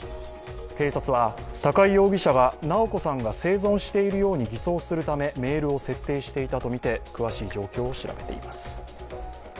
警察は、高井容疑者が直子さんが生存しているように偽装するためメールを設定していたとみて詳しい状況を調べています。